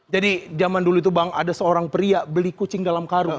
jadi zaman dulu itu bang ada seorang pria beli kucing dalam karung